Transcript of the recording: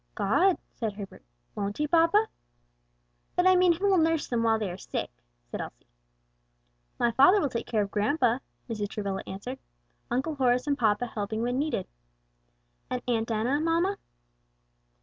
"God," said Herbert, "won't he, papa?" "But I mean who will nurse them while they are sick," said Elsie. "My father will take care of grandpa," Mrs. Travilla answered, "Uncle Horace and papa helping when needed." "And Aunt Enna, mamma?"